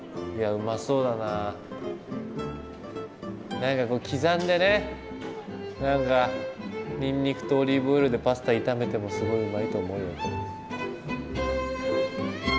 何かこう刻んでね何かにんにくとオリーブオイルでパスタ炒めてもすごいうまいと思うよこれ。